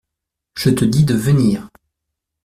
Je te dis de venir.